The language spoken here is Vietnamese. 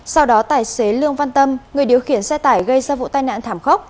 sau đó tài xế lương văn tâm người điều khiển xe tải gây ra vụ tai nạn thảm khốc